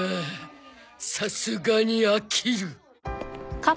さすがに飽きる。